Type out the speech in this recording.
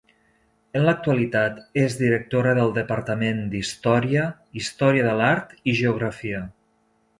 En l'actualitat és directora del Departament d'Història, Història de l'Art i Geografia.